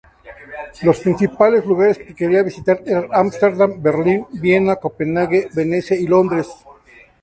Los principales lugares que quería visitar eran Ámsterdam, Berlín, Viena, Copenhague, Venecia y Londres.